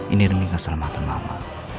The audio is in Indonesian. ini demi keselamatan mama